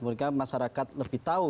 mereka masyarakat lebih tahu